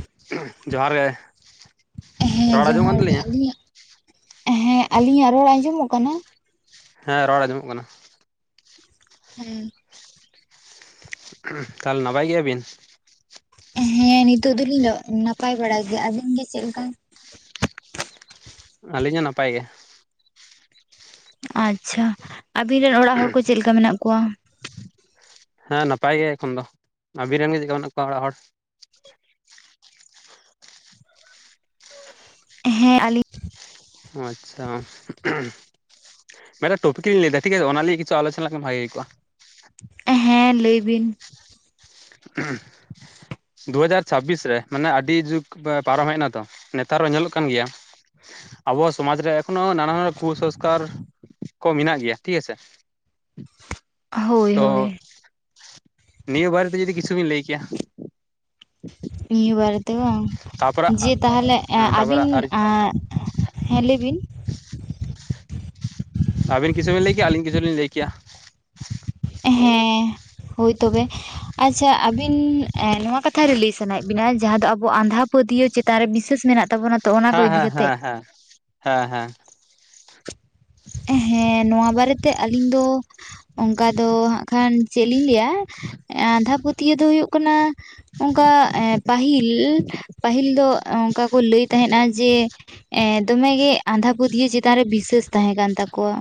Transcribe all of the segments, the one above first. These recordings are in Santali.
[inaudible] ᱡᱚᱸᱦᱟᱨ ᱜᱮ [inaudible] ᱦᱮᱸ ᱨᱚᱲ ᱟᱸᱡᱚᱢᱚᱜ ᱡᱚᱦᱟᱨ ᱠᱟᱱ ᱜᱮ ᱛᱟᱹᱞᱤᱧᱟ ᱟᱹᱞᱤᱧᱟᱜ [inaudible] ᱦᱮᱸ ᱟᱹᱞᱤᱧᱟᱜ ᱨᱚᱲ ᱟᱸᱡᱚᱢᱚᱜ ᱠᱟᱱᱟ? ᱦᱮᱸ ᱨᱚᱲ ᱟᱸᱡᱚᱢᱚᱜ ᱠᱟᱱᱟ᱾ ᱦᱮᱸᱻ [inaudible] ᱛᱟᱦᱞᱮ ᱱᱟᱯᱟᱭ ᱜᱮᱭᱟ ᱵᱤᱱ? ᱦᱮᱸ ᱱᱤᱛᱚᱜ ᱫᱚᱞᱤᱧ ᱱᱟᱯᱟᱭ ᱵᱟᱲᱟᱭ ᱜᱮᱭᱟ ᱟᱹᱵᱤᱱ ᱜᱮ ᱪᱮᱫ ᱞᱮᱠᱟ᱾ ᱟᱹᱞᱤᱧ ᱦᱚᱸ ᱱᱟᱯᱟᱭ ᱜᱮ᱾ ᱟᱪᱪᱷᱟ᱾ ᱟᱵᱤᱱ ᱨᱮᱱ ᱚᱲᱟᱜ ᱦᱚᱲ ᱠᱚ ᱪᱮᱫ ᱞᱮᱠᱟ ᱢᱮᱱᱟᱜ ᱠᱚᱣᱟ? ᱦᱮᱸ ᱱᱟᱯᱟᱭ ᱜᱮ ᱮᱠᱷᱚᱱ ᱫᱚ᱾ ᱟᱹᱵᱤᱱ ᱨᱮᱱ ᱜᱮ ᱪᱮᱫ ᱠᱟ ᱢᱮᱱᱟᱜ ᱠᱚᱣᱟ ᱚᱲᱟᱜ ᱦᱚᱲ? ᱦᱮᱸ ᱟᱞᱤᱧ ᱚ ᱟᱪᱪᱷᱟ᱾ ᱢᱮᱫ ᱴᱟᱝ ᱴᱚᱯᱤᱠᱤᱧ ᱞᱟᱹᱭᱫᱟ ᱴᱷᱤᱠ ᱟᱪᱷᱮ ᱚᱱᱟ ᱞᱤᱭᱮ ᱠᱤᱪᱷᱩ ᱟᱞᱚᱪᱚᱱᱟ ᱠᱮᱠᱷᱟᱱ ᱵᱷᱟᱜᱮ ᱦᱩᱭ ᱠᱚᱜ-ᱟ᱾ ᱦᱮᱸ ᱞᱟᱹᱭ ᱵᱤᱱ᱾ ᱫᱩ ᱦᱟᱡᱟᱨ ᱪᱷᱟᱵᱵᱤᱥ ᱨᱮ ᱢᱟᱱᱮ ᱟᱹᱰᱤ ᱡᱩᱜᱽ ᱵᱮ ᱯᱟᱨᱚᱢ ᱦᱮᱡ ᱮᱱᱟ ᱛᱚ᱾ ᱱᱮᱛᱟᱨ ᱦᱚᱸ ᱧᱮᱞᱚᱜ ᱠᱟᱱ ᱜᱮᱭᱟ ᱟᱵᱚ ᱥᱚᱢᱟᱡᱽ ᱨᱮ ᱮᱠᱷᱚᱱᱚ ᱱᱟᱱᱟ ᱦᱩᱱᱟᱹᱨ ᱠᱩᱥᱚᱝᱥᱠᱟᱨ ᱠᱚ ᱢᱮᱱᱟᱜ ᱜᱮᱭᱟ ᱴᱷᱤᱠ ᱟᱪᱷᱮ᱾ [inaudible] ᱦᱳᱭ ᱛᱚ ᱦᱳᱭ᱾ ᱱᱤᱭᱟᱹ ᱵᱟᱨᱮ ᱛᱮ ᱡᱩᱫᱤ ᱠᱤᱪᱷᱩ ᱵᱤᱱ ᱞᱟᱹᱭ ᱠᱮᱭᱟ᱾ ᱱᱤᱭᱟᱹ ᱵᱟᱨᱮᱛᱮ ᱵᱟᱝ᱾ ᱛᱟᱯᱚᱨᱮ ᱡᱮ ᱛᱟᱦᱞᱮ ᱮ ᱦᱮᱸ ᱛᱟᱯᱚᱨᱮ ᱟᱹᱵᱤᱱ ᱟᱨ ᱟᱸᱜ ᱦᱮᱸ ᱞᱟᱹᱭ ᱵᱤᱱ᱾ ᱟᱵᱤᱱ ᱠᱤᱷᱩ ᱵᱤᱱ ᱞᱟᱹᱭ ᱠᱮᱭᱟ, ᱟᱹᱞᱤᱧ ᱠᱤᱷᱩ ᱞᱤᱧ ᱞᱟᱹᱭ ᱠᱮᱭᱟ᱾ ᱦᱮᱸ᱾ ᱦᱳᱭ ᱛᱚᱵᱮ᱾ ᱟᱪᱪᱷᱟ ᱟᱵᱤᱱ ᱮ ᱱᱚᱣᱟ ᱠᱟᱛᱷᱟ ᱨᱮ ᱞᱟᱹᱭ ᱥᱟᱱᱟᱭᱮᱫ ᱵᱤᱱᱟ ᱡᱟᱦᱟᱸ ᱫᱚ ᱟᱵᱚ ᱟᱸᱫᱷᱟ ᱯᱟᱹᱛᱭᱟᱹ ᱪᱮᱛᱟᱱ ᱨᱮ ᱵᱤᱥᱟᱹᱥ ᱢᱮᱱᱟᱜ ᱛᱟᱵᱚᱱᱟ᱾ ᱛᱚ ᱚᱱᱟ ᱠᱚ ᱦᱮᱸ ᱤᱫᱤ ᱦᱮᱸ ᱠᱟᱛᱮᱜ? ᱦᱮᱸ ᱦᱮᱸ ᱦᱮᱸ ᱦᱮᱸ᱾ ᱦᱮᱸ ᱱᱚᱣᱟ ᱵᱟᱨᱮᱛᱮ ᱟᱹᱞᱤᱧ ᱫᱚ ᱚᱝᱠᱟ ᱫᱚ ᱦᱟᱸᱜ ᱠᱷᱟᱱ ᱪᱮᱫ ᱞᱤᱧ ᱞᱮᱭᱟ ᱮᱸ ᱟᱸᱫᱷᱟ ᱯᱟᱹᱛᱭᱟᱹ ᱫᱚ ᱦᱳᱭᱳᱜ ᱠᱟᱱᱟ ᱚᱱᱠᱟ ᱮᱸ ᱯᱟᱹᱦᱤᱞ ᱯᱟᱹᱦᱤᱞ ᱫᱚ ᱚᱝᱠᱟ ᱠᱚ ᱞᱟᱹᱭ ᱛᱟᱦᱮᱸᱱᱟ ᱡᱮ ᱮᱸ ᱫᱚᱢᱮᱜᱮ ᱟᱸᱫᱷᱟ ᱯᱟᱹᱛᱭᱟᱹ ᱪᱮᱛᱟᱱ ᱨᱮ ᱵᱤᱥᱟᱹᱥ ᱛᱟᱦᱮᱸ ᱠᱟᱱ ᱛᱟᱠᱚᱣᱟ᱾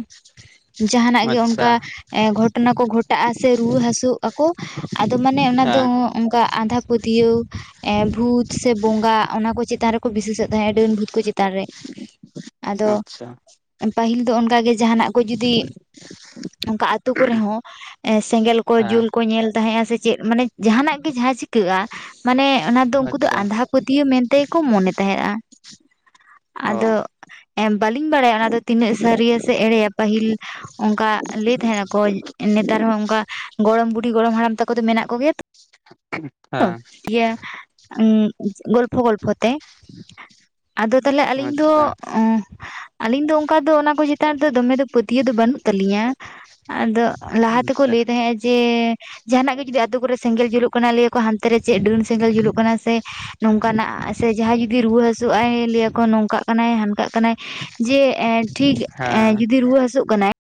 ᱡᱟᱦᱟᱱᱟᱜ ᱜᱮ ᱟᱪᱪᱷᱟ ᱚᱱᱠᱟ ᱮ ᱜᱷᱚᱴᱚᱱᱟ ᱠᱚ ᱜᱷᱚᱴᱟᱜᱼᱟ ᱥᱮ ᱨᱩᱣᱟᱹ ᱦᱟᱹᱥᱩᱜ ᱟᱠᱚ᱾ ᱟᱫᱚ ᱢᱟᱱᱮ ᱚᱱᱟ ᱫᱚ ᱦᱮᱸ ᱚᱝᱠᱟ ᱟᱸᱫᱷᱟ ᱯᱟᱹᱛᱤᱭᱟᱹᱣ ᱮ ᱵᱷᱩᱛ ᱥᱮ ᱵᱚᱸᱜᱟ ᱚᱱᱟ ᱠᱚ ᱪᱮᱛᱟᱱ ᱨᱮ ᱠᱚ ᱵᱤᱥᱮᱥᱚᱜ ᱛᱟᱦᱮᱸᱫ ᱰᱟᱹᱱ ᱵᱷᱩᱛ ᱠᱚ ᱪᱮᱛᱟᱱ ᱨᱮ ᱟᱫᱚ [inaudible] ᱯᱟᱹᱦᱤᱞ ᱫᱚ ᱚᱱᱠᱟᱜᱮ ᱡᱟᱦᱟᱱᱟᱜ ᱠᱚ ᱡᱩᱫᱤ ᱚᱱᱠᱟ ᱟᱛᱳ ᱠᱚᱨᱮᱦᱚᱸ ᱮᱸ ᱥᱮᱸᱜᱮᱞ ᱠᱚ ᱦᱮᱸ ᱡᱩᱞ ᱠᱚ ᱧᱮᱞ ᱛᱟᱦᱮᱸᱜᱼᱟ ᱥᱮ ᱪᱮᱫ ᱢᱟᱱᱮ ᱡᱟᱦᱟᱱᱟᱜ ᱜᱮ ᱡᱟᱦᱟᱸ ᱪᱤᱠᱟᱹᱜᱼᱟ ᱢᱟᱱᱮ ᱚᱱᱟ ᱫᱚ ᱩᱱᱠᱩ ᱫᱚ ᱟᱪᱪᱷᱟ ᱟᱸᱫᱷᱟ ᱯᱟᱹᱛ ᱛᱤᱭᱟᱹ ᱢᱮᱱ ᱛᱮᱜᱮᱠᱚ ᱢᱚᱱᱮ ᱛᱟᱦᱮᱸᱜ-ᱟ ᱟᱫᱚ ᱚ ᱵᱟᱹᱞᱤᱧ ᱵᱟᱲᱟᱭᱟ ᱚᱱᱟ ᱫᱚ ᱛᱤᱱᱟᱹᱜ ᱥᱟᱹᱨᱤᱭᱟ ᱥᱮ ᱮᱲᱮᱭᱟ ᱯᱟᱹᱦᱤᱞ ᱚᱱᱠᱟ ᱞᱟᱹᱭ ᱛᱟᱦᱮᱜ ᱟᱠᱚ ᱱᱮᱛᱟᱨ ᱦᱚᱸ ᱚᱱᱠᱟ ᱜᱚᱲᱚᱢ ᱵᱩᱰᱷᱤ ᱜᱚᱲᱚᱢ ᱦᱟᱲᱟᱢ ᱛᱟᱠᱚ ᱫᱚ ᱢᱮᱱᱟᱜ ᱠᱚᱜᱮᱭᱟ ᱛᱚ᱾ ᱦᱮᱸ ᱤᱭᱟᱹ ᱩᱸᱜ ᱜᱚᱞᱯᱷᱚ ᱜᱚᱞᱯᱷᱛ᱾ ᱠᱚ ᱛᱮ᱾ ᱟᱫᱚ ᱛᱟᱦᱞᱮ ᱟᱹᱞᱤᱧ ᱫᱚ ᱟᱪᱪᱷᱟ ᱟᱞᱤᱧ ᱫᱚ ᱚᱝᱠᱟ ᱫᱚ ᱚᱱᱟ ᱠᱚ ᱪᱮᱛᱟᱱ ᱨᱮᱫᱚ ᱫᱚᱢᱮ ᱫᱚ ᱯᱟᱹᱛᱤᱭᱟᱹ ᱫᱚ ᱵᱟᱹᱱᱩᱜ ᱛᱟᱹᱞᱤᱧᱟ ᱟᱫᱚ ᱞᱟᱦᱟ ᱛᱮᱠᱚ ᱟᱪᱪᱷᱟ ᱞᱟᱹᱭ ᱛᱟᱦᱮᱸᱜᱼᱟ ᱡᱮ ᱡᱟᱦᱟᱱᱟᱜ ᱜᱮ ᱡᱩᱫᱤ ᱟᱛᱳ ᱠᱚᱨᱮ ᱥᱮᱸᱜᱮᱞ ᱡᱩᱞᱩᱜ ᱠᱟᱱᱟ ᱞᱟᱹᱭ ᱟᱠᱚ ᱦᱟᱱ ᱛᱮ ᱨᱮ ᱪᱮᱫ ᱰᱟᱹᱱ ᱥᱮᱸᱜᱮᱞ ᱡᱩᱞᱩᱜ ᱠᱟᱱᱟ ᱥᱮ ᱱᱚᱝᱠᱟᱱᱟᱜ ᱥᱮ ᱡᱟᱦᱟᱸᱭ ᱡᱩᱫᱤ ᱨᱩᱣᱟᱹ ᱦᱟᱹᱥᱩ ᱦᱟᱹᱥᱩᱜ-ᱟᱭ ᱞᱮᱭᱟᱠᱚ ᱱᱚᱝᱠᱟᱜ ᱠᱟᱱᱟᱭ ᱦᱟᱝᱠᱟᱜ ᱠᱟᱱᱟᱭ᱾ ᱡᱮ ᱮᱸ ᱴᱷᱤᱠ ᱮᱸ ᱦᱮᱸ ᱡᱩᱫᱤ ᱨᱩᱣᱟᱹ ᱦᱟᱹᱥᱩᱜ ᱠᱟᱱᱟᱭ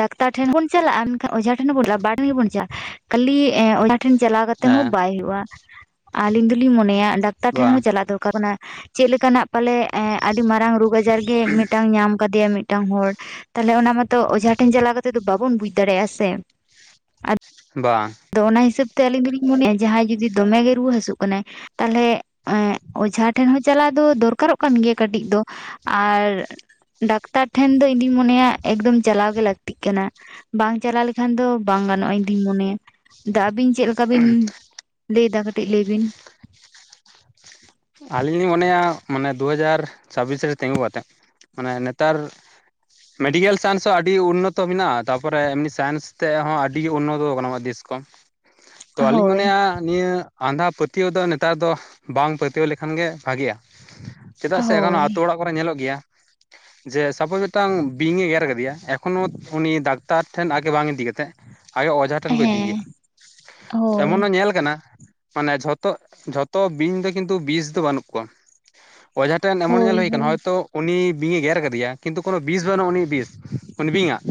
ᱰᱟᱠᱛᱟᱨ ᱴᱷᱮᱱ ᱵᱚᱱ ᱪᱟᱞᱟᱜᱼᱟ ᱢᱮᱱᱠᱷᱟᱱ ᱚᱡᱷᱟ ᱴᱷᱮᱱ ᱦᱚᱸ ᱵᱚᱱ ᱪᱟᱞᱟᱜᱼᱟ ᱵᱟᱨ ᱴᱷᱮᱱ ᱜᱮ ᱵᱚᱱ ᱪᱟᱞᱟᱜᱼᱟ᱾ ᱠᱷᱟᱹᱞᱤ ᱚᱡᱷᱟ ᱴᱷᱮᱱ ᱪᱟᱞᱟᱣ ᱠᱟᱛᱮ ᱦᱚᱸ ᱦᱮᱸ ᱵᱟᱭ ᱦᱩᱭᱩᱜᱼᱟ᱾ ᱟᱞᱤᱧ ᱫᱩᱞᱤᱧ ᱢᱚᱱᱮᱭᱟ ᱰᱟᱠᱛᱟᱨ ᱴᱷᱮᱱ ᱵᱟᱝ ᱦᱚᱸ ᱪᱟᱞᱟᱜ ᱫᱚᱨᱠᱟᱨ ᱠᱟᱱᱟ᱾ ᱪᱮᱫ ᱞᱮᱠᱟᱱᱟᱜ ᱯᱟᱞᱮ ᱮᱸ ᱟᱹᱰᱤ ᱢᱟᱨᱟᱝ ᱨᱳᱜᱽ ᱟᱡᱟᱨ ᱜᱮ ᱢᱤᱫᱴᱟᱝ ᱧᱟᱢ ᱠᱟᱫᱮᱭᱟ ᱢᱤᱫᱴᱟᱝ ᱦᱚᱲ᱾ ᱛᱟᱦᱚᱞᱮ ᱚᱱᱟ ᱢᱟᱛᱚ ᱚᱡᱷᱟ ᱴᱷᱮᱱ ᱪᱟᱞᱟᱣ ᱠᱟᱛᱮᱫ ᱫᱚ ᱵᱟᱵᱚᱱ ᱵᱩᱡᱽ ᱫᱟᱲᱮᱭᱟᱜ-ᱟ ᱥᱮ᱾ ᱵᱟᱝ᱾ ᱫᱚ ᱚᱱᱟ ᱦᱤᱥᱟᱹᱵ ᱛᱮ ᱟᱹᱞᱤᱧ ᱫᱚᱞᱤᱧ ᱢᱚᱱᱮᱭᱟ ᱡᱟᱦᱟᱸᱭ ᱡᱩᱫᱤ ᱫᱚᱢᱮ ᱜᱮᱭ ᱨᱩᱣᱟᱹ ᱦᱟᱹᱥᱩᱜ ᱠᱟᱱᱟᱭ ᱛᱟᱦᱞᱮ ᱚᱡᱷᱟ ᱴᱷᱮᱱ ᱦᱚᱸ ᱪᱟᱞᱟᱣ ᱫᱚ ᱫᱚᱨᱠᱟᱨᱚᱜ ᱠᱟᱱ ᱜᱮᱭᱟ ᱠᱟᱹᱴᱤᱡ ᱫᱚ ᱟᱨ ᱰᱟᱠᱛᱟᱨ ᱴᱷᱮᱱ ᱫᱚ ᱤᱧ ᱫᱩᱧ ᱢᱚᱱᱮᱭᱟ ᱮᱠᱫᱚᱢ ᱪᱟᱞᱟᱣ ᱜᱮ ᱞᱟᱠᱛᱤᱜ ᱠᱟᱱᱟ᱾ ᱵᱟᱝ ᱪᱟᱞᱟᱣ ᱞᱮᱠᱷᱟᱱ ᱫᱚ ᱵᱟᱝ ᱜᱟᱱᱚᱜᱼᱟ ᱤᱧ ᱫᱩᱧ ᱢᱚᱱᱮᱭᱟ᱾ ᱫᱟ ᱟᱵᱤᱱ ᱪᱮᱫ ᱞᱮᱠᱟ ᱵᱤᱱ ᱞᱟᱹᱭᱫᱟ ᱠᱟᱹᱴᱤᱡ ᱞᱟᱹᱭ ᱵᱤᱱ᱾ ᱟᱞᱤᱧ ᱞᱤᱧ ᱢᱚᱱᱮᱭᱟ ᱢᱟᱱᱮ ᱫᱩ ᱦᱟᱡᱟᱨ ᱪᱷᱟᱵᱤᱥ ᱨᱮ ᱛᱤᱸᱜᱩ ᱠᱟᱛᱮᱫ ᱢᱟᱱᱮ ᱱᱮᱛᱟᱨ ᱢᱮᱰᱤᱠᱮᱞ ᱥᱟᱭᱮᱱᱥ ᱦᱚᱸ ᱟᱰᱤ ᱩᱱᱱᱚᱛᱚ ᱢᱮᱱᱟᱜᱼᱟ ᱛᱟᱯᱚᱨᱮ ᱮᱢᱱᱤ ᱥᱟᱭᱮᱱᱥ ᱛᱮᱦᱚᱸ ᱟᱰᱤ ᱩᱱᱱᱚᱛᱚ ᱠᱟᱱᱟ ᱫᱤᱥ ᱚᱢ ᱛᱚ ᱟᱞᱤᱧ ᱦᱳᱭ ᱢᱚᱱᱮᱭᱟ ᱱᱤᱭᱟᱹ ᱟᱸᱫᱷᱟ ᱯᱟᱹᱛᱤᱭᱟᱹᱣ ᱫᱚ ᱱᱮᱛᱟᱨ ᱫᱚ ᱵᱟᱝ ᱯᱟᱹ ᱛᱭᱟᱹᱣ ᱞᱮᱠᱷᱟᱱ ᱜᱮ ᱵᱷᱟᱜᱮ-ᱟ ᱪᱮᱫᱟᱜ ᱥᱮ ᱮᱠᱷᱚᱱ ᱦᱳᱭ ᱟᱛᱳ ᱚᱲᱟᱜ ᱠᱚᱨᱮ ᱧᱮᱞᱚᱜ ᱜᱮᱭᱟ ᱡᱮ ᱥᱟᱯᱳᱡ ᱢᱤᱫᱴᱟᱝ ᱵᱤᱧ ᱮ ᱜᱮᱨ ᱠᱟᱫᱮᱭᱟ ᱮᱠᱷᱚᱱᱳ ᱩᱱᱤ ᱰᱟᱠᱛᱟᱨ ᱴᱷᱮᱱ ᱟᱜᱮ ᱵᱟᱝ ᱤᱫᱤ ᱠᱟᱛᱮᱫ ᱟᱭᱳ ᱚᱡᱷᱟ ᱴᱷᱮᱱ ᱠᱚ ᱤᱫᱤᱭᱮᱭᱟ, ᱦᱮᱸ ᱮᱢᱚᱱ ᱦᱳᱭ ᱦᱚᱸ ᱧᱮᱞ ᱠᱟᱱᱟ ᱢᱟᱱᱮ ᱡᱷᱚᱛᱚ ᱡᱷᱚᱛᱚ ᱵᱤᱧ ᱫᱚ ᱠᱤᱱᱛᱩ ᱵᱤᱥ ᱫᱚ ᱵᱟᱱᱩᱜ ᱠᱚᱣᱟ ᱚᱡᱷᱟ ᱴᱷᱮᱱ ᱮᱢᱚᱱ ᱧᱮᱞ ᱦᱳᱭ ᱦᱩᱭ ᱠᱟᱱᱟ ᱦᱳᱭ ᱦᱚᱭᱛᱚ ᱩᱱᱤ ᱵᱤᱧᱮ ᱜᱮᱨ ᱠᱟᱫᱮᱭᱟ ᱠᱤᱱᱛᱩ ᱠᱳᱱᱳ ᱵᱤᱥ ᱵᱟᱹᱱᱩᱜ-ᱟ ᱩᱱᱤᱭᱟᱜ ᱵᱤᱥ ᱩᱱᱤ ᱵᱤᱧᱟᱜ